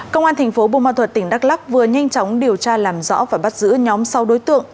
công an thành phố bùa ma thuật tỉnh đắk lắc vừa nhanh chóng điều tra làm rõ và bắt giữ nhóm sáu đối tượng